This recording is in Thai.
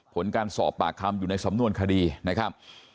ผลการสอบปากคำอยู่ในสำนวนคดีนะครับ